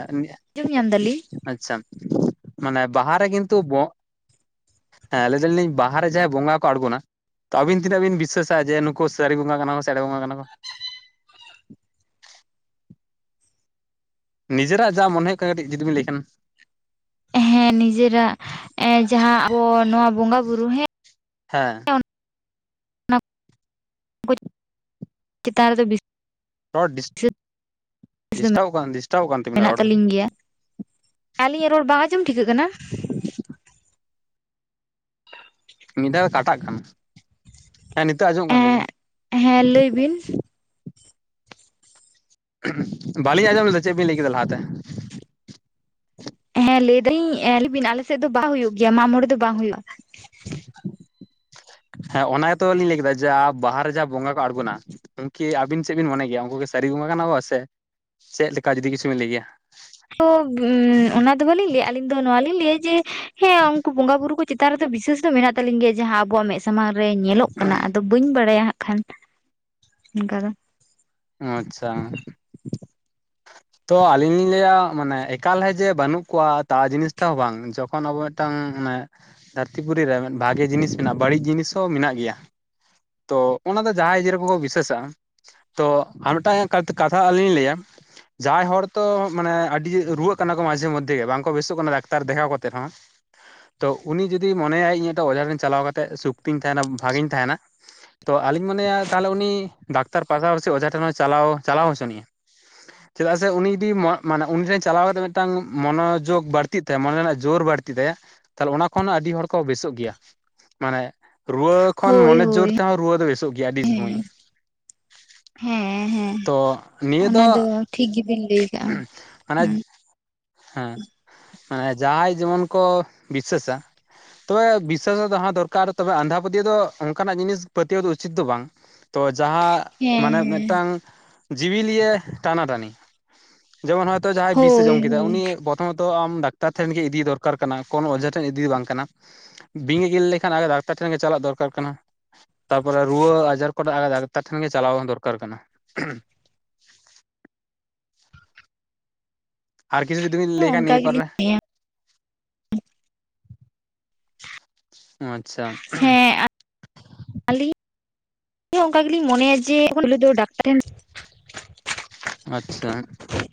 ᱟᱸᱡᱚᱢ ᱧᱟᱢ ᱫᱟᱞᱤᱧ ᱟᱪᱪᱷᱟ ᱢᱟᱱᱮ ᱵᱟᱦᱟᱨᱮ ᱠᱤᱱᱛᱩ ᱵᱚᱼᱼ ᱦᱮᱸ ᱞᱟᱹᱭ ᱫᱟᱞᱤᱧ ᱵᱟᱦᱟ ᱨᱮ ᱡᱟᱦᱟᱸᱭ ᱵᱚᱸᱜᱟ ᱠᱚ ᱟᱬᱜᱚᱱᱟ, ᱛᱚ ᱟᱵᱤᱱ ᱛᱤᱱᱟᱜ ᱵᱤᱱ ᱵᱤᱥᱟᱹᱥᱟᱜᱼᱟ ᱡᱮ ᱱᱩᱠᱩ ᱥᱟᱹᱨᱤ ᱵᱚᱸᱜᱟ ᱠᱟᱱᱟ ᱠᱚ ᱥᱮ ᱮᱲᱮ ᱵᱚᱸᱜᱟ ᱠᱟᱱᱟ ᱠᱚ? ᱱᱤᱡᱮᱨᱟᱜ ᱡᱟ ᱢᱚᱱᱮ ᱦᱩᱭᱩᱜ ᱠᱟᱱᱟ ᱠᱟᱹᱴᱤᱡ ᱡᱩᱫᱤ ᱵᱤᱱ ᱞᱟᱹᱭ ᱠᱷᱟᱱ? ᱦᱮᱸ ᱱᱤᱡᱮᱨᱟᱜ ᱡᱟᱦᱟᱸ ᱟᱵᱚ ᱱᱚᱣᱟ ᱵᱚᱸᱜᱟ ᱵᱩᱨᱩ ᱦᱮᱸᱼᱼ ᱦᱮᱸ, ᱱᱟ ᱠᱩ ᱪᱮᱛᱟᱱ ᱨᱮᱫᱚ ᱵᱤᱥᱟᱥᱼᱼ ᱨᱲ ᱰᱤᱥᱴᱟᱵ ᱵᱤᱥᱮᱥ ᱫᱚ ᱰᱤᱥᱴᱟᱵ ᱟᱠᱟᱱ ᱰᱤᱥᱴᱟᱵ ᱠᱟᱱ ᱛᱟᱹᱵᱤᱱᱟ ᱢᱮᱱᱟᱜ ᱨᱟᱲ ᱠᱟᱹᱴᱤᱡ? ᱛᱟᱹᱞᱤᱧ ᱜᱮᱭᱟ ᱟᱹᱞᱤᱧᱟᱜ ᱨᱚᱲ ᱵᱟᱝ ᱟᱡᱚᱢ ᱴᱷᱤᱠᱟᱹᱜ ᱠᱟᱱᱟ? [inaudible] ᱢᱤᱫ ᱫᱷᱟᱣ ᱫᱚ ᱠᱟᱴᱟᱜ ᱠᱟᱱᱟ ᱦᱮᱸ ᱱᱤᱛᱚᱜ ᱟᱸᱡᱚᱢᱚᱜ ᱠᱟᱱᱟ ᱮᱸ ᱞᱟᱹᱭᱵᱤᱱ? ᱦᱮᱸ ᱞᱟᱹᱭ ᱵᱤᱱ? ᱵᱟᱹᱞᱤᱧ ᱟᱸᱡᱚᱢ ᱞᱮᱫᱟ ᱪᱮᱫ ᱵᱤᱱ ᱞᱟᱹᱭ ᱠᱮᱫᱟ ᱞᱟᱦᱟᱛᱮ? ᱦᱮᱸ ᱞᱟᱹᱭ ᱫᱟᱹᱧ ᱵᱤᱱ ᱟᱞᱮᱥᱮᱫ ᱫᱚ ᱵᱟᱦᱟ ᱦᱩᱭᱩᱜ ᱜᱮᱭᱟ ᱢᱟᱜ ᱢᱚᱬᱮ ᱫᱚ ᱵᱟᱝ ᱦᱩᱭᱩᱜᱼᱟ᱾ ᱦᱮᱸ ᱚᱱᱟ ᱜᱮᱛᱚ ᱞᱤᱧ ᱞᱟᱹᱭ ᱠᱮᱫᱟ ᱡᱟ ᱵᱟᱦᱟ ᱨᱮ ᱡᱟᱦᱟᱸ ᱵᱚᱸᱜᱟ ᱠᱚ ᱟᱬᱜᱚ ᱱᱟ᱾ ᱩᱱᱠᱤ ᱟᱹᱵᱤᱱ ᱪᱮᱫ ᱵᱤᱱ ᱢᱚᱱᱮ ᱜᱮᱭᱟ ᱩᱱᱠᱩ ᱠᱤ ᱥᱟᱹᱨᱤ ᱵᱚᱸᱜᱟ ᱠᱟᱱᱟᱠᱚ ᱥᱮ ᱪᱮᱫ ᱞᱮᱠᱟ ᱡᱩᱫᱤ ᱠᱤᱪᱷᱩ ᱵᱤᱱ ᱞᱟᱹᱭ ᱠᱮᱭᱟ? ᱛᱚ ᱚᱱᱟ ᱫᱚ ᱵᱟᱞᱤᱧ ᱞᱟᱹᱭᱟ ᱟᱞᱤᱧ ᱫᱚ ᱱᱚᱣᱟᱞᱤᱧ ᱞᱟᱹᱭᱟ ᱡᱮ ᱦᱮᱸ ᱩᱱᱠᱩ ᱵᱚᱸᱜᱟ ᱵᱩᱨᱩ ᱠᱚᱼᱼ ᱪᱮᱛᱟᱱ ᱨᱮᱫᱚ ᱵᱤᱥᱮᱥ ᱫᱚ ᱢᱮᱱᱟᱜ ᱛᱟᱞᱤᱧ ᱜᱮᱭᱟ ᱡᱟᱦᱟᱸ ᱟᱵᱚᱣᱟᱜ ᱢᱮᱫ ᱥᱟᱢᱟᱝ ᱨᱮ ᱧᱮᱞᱚᱜ ᱠᱟᱱᱟ ᱟᱫᱚᱼᱼ ᱵᱟᱹᱧ ᱵᱟᱲᱟᱭᱟ ᱦᱟᱸᱜ ᱠᱷᱟᱱ ᱚᱱᱠᱟ ᱫᱚ᱾ ᱟᱪᱪᱷᱟ᱾ ᱛᱚ ᱟᱞᱤᱧ ᱞᱤᱧ ᱞᱟᱹᱭᱟ ᱢᱟᱱᱮ ᱮᱠᱟᱞ ᱦᱮ ᱡᱮ ᱵᱟᱹᱱᱩᱜ ᱠᱚᱣᱟ ᱛᱟ ᱡᱤᱱᱤᱥ ᱛᱟ ᱦᱚ ᱵᱟᱝ ᱡᱚᱠᱷᱚᱱ ᱟᱵᱚ ᱢᱤᱫ ᱴᱟᱝ ᱢᱟᱱᱮ ᱫᱷᱟᱹᱨᱛᱤ ᱯᱩᱨᱤ ᱨᱮ ᱵᱷᱟᱜᱮ ᱡᱤᱱᱤᱥ ᱢᱮᱱᱟᱜᱼᱟ ᱵᱟᱹᱲᱤᱡ ᱡᱤᱱᱤᱥ ᱦᱚᱸ ᱢᱮᱱᱟᱜ ᱜᱮᱭᱟ᱾ ᱛᱚ ᱚᱱᱟ ᱫᱚ ᱡᱟᱦᱟᱸᱭ ᱤᱭᱟᱹ ᱨᱮᱠᱚ ᱠᱚ ᱵᱤᱥᱟᱹᱥᱟᱜᱼᱟ᱾ ᱛᱚ ᱟᱨ ᱢᱤᱫ ᱴᱟᱝ ᱠᱟ ᱠᱟᱛᱷᱟ ᱟᱹᱞᱤᱧ ᱞᱤᱧ ᱞᱟᱹᱭᱟ᱾ ᱡᱟᱦᱟᱸᱭ ᱦᱚᱲ ᱛᱚ ᱢᱟᱱᱮ ᱟᱹᱰᱤ ᱨᱩᱣᱟᱹᱜ ᱠᱟᱱᱟ ᱠᱚ ᱢᱟᱡᱷᱮ ᱢᱚᱫᱽᱫᱷᱮ ᱜᱮ ᱵᱟᱝᱠᱚ ᱵᱮᱥᱚᱜ ᱠᱟᱱᱟ ᱰᱟᱠᱛᱟᱨ ᱫᱮᱠᱷᱟᱣ ᱠᱟᱛᱮ ᱨᱮᱦᱚᱸ ᱛᱚ ᱩᱱᱤ ᱡᱩᱫᱤ ᱢᱚᱱᱮ ᱭᱟᱭ ᱤᱧ ᱢᱤᱫᱴᱟᱝ ᱚᱡᱷᱟ ᱴᱷᱮᱱ ᱪᱟᱞᱟᱣ ᱠᱟᱛᱮᱫ ᱥᱩᱠᱛᱤᱧ ᱛᱟᱦᱮᱱᱟ ᱵᱷᱟᱜᱤᱧ ᱛᱟᱦᱮᱱᱟ, ᱛᱚ ᱟᱞᱤᱧ ᱢᱚᱱᱮᱭᱟ ᱛᱟᱦᱞᱮ ᱩᱱᱤ ᱰᱟᱠᱛᱟᱨ ᱯᱟᱥᱟᱯᱟᱥᱤ ᱚᱡᱷᱟ ᱴᱷᱮᱱ ᱦᱚᱸ ᱪᱟᱞᱟᱣ ᱪᱟᱞᱟᱣ ᱦᱚᱪᱚᱱᱤᱡ ᱮ᱾ [inaudible] ᱪᱮᱫᱟᱜ ᱥᱮ ᱩᱱᱤ ᱡᱩᱫᱤ ᱢᱟᱱᱮ ᱩᱱᱤ ᱴᱷᱮᱱ ᱪᱟᱞᱟᱣ ᱠᱟᱛᱮᱫ ᱢᱤᱫᱴᱟᱝ ᱢᱚᱱᱳᱡᱳᱜᱽ ᱵᱟᱹᱲᱛᱤᱜ ᱛᱟᱭᱟ ᱢᱚᱱᱮ ᱨᱮᱱᱟᱜ ᱡᱳᱨ ᱵᱟᱹᱲᱛᱤᱜ ᱛᱟᱭᱟ᱾ ᱛᱟᱦᱚᱞᱮ ᱚᱱᱟ ᱠᱷᱚᱱ ᱟᱹᱰᱤ ᱦᱚᱲ ᱠᱚ ᱵᱮᱥᱚᱜ ᱜᱮᱭᱟ᱾ ᱢᱟᱱᱮ ᱨᱩᱣᱟᱹ ᱠᱷᱚᱱ ᱦᱳᱭ ᱢᱚᱱᱮ ᱡᱳᱨ ᱦᱳᱭ ᱛᱮᱦᱚᱸ ᱨᱩᱣᱟᱹ ᱫᱚ ᱵᱮᱥᱚᱜ ᱜᱮᱭᱟ ᱟᱹᱰᱤ ᱦᱮᱸ ᱥᱚᱢᱚᱭ ᱦᱮᱸ ᱦᱮᱸ ᱾ ᱛᱚ ᱱᱤᱭᱟᱹ ᱫᱚ ᱚᱱᱟ ᱴᱷᱤᱠ ᱜᱮᱵᱤᱱ ᱞᱟᱹᱭ ᱠᱟᱜᱼᱟ ᱦᱩᱸ ᱢᱟᱱᱮ᱾ ᱦᱮᱸ ᱦᱮᱸ ᱡᱟᱦᱟᱸᱭ ᱡᱮᱢᱚᱱ ᱠᱚ ᱵᱤᱥᱟᱹᱥᱟ᱾ ᱛᱚᱵᱮ ᱵᱤᱥᱥᱟᱥ ᱦᱚ ᱛᱟᱦᱮ ᱫᱚᱨᱠᱟᱨ ᱛᱚᱵᱮ ᱟᱸᱫᱷᱟ ᱯᱟᱹᱛᱭᱟᱹᱣ ᱚᱱᱠᱟᱱᱟᱜ ᱡᱤᱱᱤᱥ ᱯᱟᱹᱛᱭᱟᱹᱣ ᱫᱚ ᱩᱪᱤᱛ ᱫᱚ ᱵᱟᱝ᱾ ᱛᱚ ᱡᱟᱦᱟᱸ ᱢᱟᱱᱮ ᱦᱮᱸ ᱢᱤᱫᱴᱟᱝ ᱡᱤᱣᱤᱞᱤᱭᱟᱹ ᱴᱟᱱᱟᱴᱟᱱᱤ᱾ ᱡᱮᱢᱚᱱ ᱦᱚᱭᱛᱳ ᱡᱟᱦᱟᱸᱭ ᱵᱤᱥᱮ ᱦᱳᱭ ᱡᱚᱢ ᱠᱮᱫᱟ ᱦᱳᱭ ᱩᱱᱤ ᱵᱚᱛᱚᱨ᱾ ᱯᱨᱚᱛᱷᱚᱢᱚ ᱛᱚ ᱟᱢ ᱰᱟᱠᱛᱟᱨ ᱴᱷᱮᱱ ᱜᱮ ᱤᱫᱤ ᱫᱚᱨᱠᱟᱨ ᱠᱟᱱᱟ ᱠᱳᱱ ᱚᱡᱷᱟ ᱴᱷᱮᱱ ᱤᱫᱤ ᱵᱟᱝ ᱠᱟᱱᱟ᱾ ᱵᱤᱧ ᱮ ᱜᱤᱨ ᱞᱮᱠᱷᱟᱱ ᱟᱱᱮ ᱰᱟᱠᱛᱟᱨ ᱴᱷᱮᱱ ᱜᱮ ᱪᱟᱞᱟᱜ ᱫᱚᱨᱠᱟᱨ ᱠᱟᱱᱟ᱾ ᱛᱟᱨᱯᱚᱨᱮ ᱨᱩᱣᱟᱹ ᱟᱡᱟᱨ ᱠᱚ ᱰᱟᱠᱛᱟᱨ ᱴᱷᱮᱱ ᱜᱮ ᱪᱟᱞᱟᱣ ᱦᱚᱸ ᱫᱚᱨᱠᱟᱨ ᱠᱟᱱᱟ᱾ ᱟᱨ ᱠᱤᱪᱷᱩ ᱡᱩᱫᱤ ᱵᱮᱱ ᱞᱟᱹᱭ ᱠᱷᱟᱱ ᱚᱱᱠᱟ ᱱᱤᱭᱟᱹ ᱜᱮᱞᱤᱧ ᱵᱮᱯᱟᱨᱮ ᱾ ᱚ ᱟᱪᱷᱟ᱾ ᱦᱮᱸ᱾ ᱞᱤᱧ ᱦᱚᱸ ᱚᱱᱠᱟ ᱜᱮᱞᱤᱧ ᱢᱚᱱᱮᱭᱟ ᱡᱮ ᱯᱳᱞᱳ ᱫᱚ ᱰᱟᱠᱛᱟᱨ ᱴᱷᱮᱱ ᱾ ᱟᱪᱷᱟ᱾